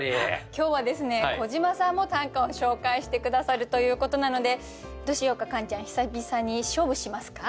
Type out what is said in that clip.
今日はですね小島さんも短歌を紹介して下さるということなのでどうしようかカンちゃん久々に勝負しますか？